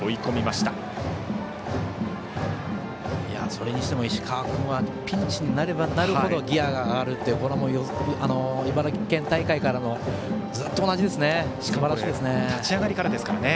それにしても石川君はピンチになればなるほどギヤが上がるっていう茨城県大会からずっと同じですね。